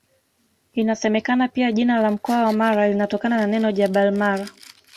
Inasemekana pia jina la mkoa wa Mara linatokana na neno Jabar Mara